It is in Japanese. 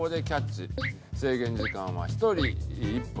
制限時間は１人１分。